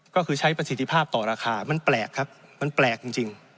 ก็คือใช้ประสิทธิภาพต่อราคามันแปลกครับมันแปลกจริง